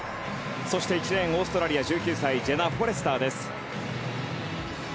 そして、１レーンオーストラリア１９歳ジェナ・フォレスターです。